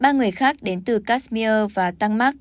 ba người khác đến từ kashmir và tangmar